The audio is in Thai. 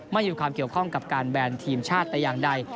ไม่มีความเกี่ยวข้องกับการแบนทีมชาติแต่อย่างใด